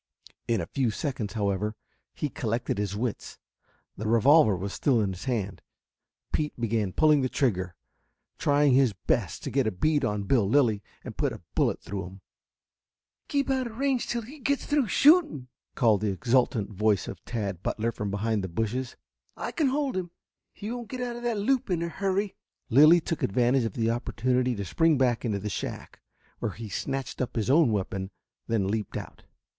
In a few seconds, however, he collected his wits. The revolver was still in his hand. Pete began pulling the trigger, trying his best to get a bead on Bill Lilly and put a bullet through him. "Keep out of range till he gets through shooting!" called the exultant voice of Tad Butler from behind the bushes. "I can hold him. He won't get out of that loop in a hurry." Lilly took advantage of the opportunity to spring back into the shack, where he snatched up his own weapon, then leaped out.